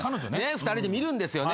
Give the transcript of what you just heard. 二人で見るんですよね。